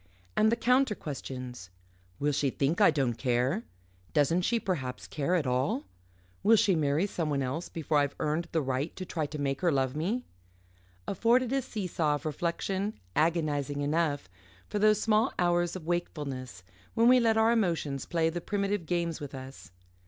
and the counter questions Will she think I don't care? Doesn't she perhaps care at all? Will she marry someone else before I've earned the right to try to make her love me? afforded a see saw of reflection, agonising enough, for those small hours of wakefulness when we let our emotions play the primitive games with us.